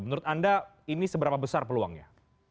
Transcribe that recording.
menurut anda ini seberapa besar peluangnya